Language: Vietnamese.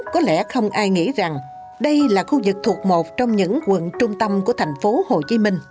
có lẽ không ai nghĩ rằng đây là khu vực thuộc một trong những quận trung tâm của thành phố hồ chí minh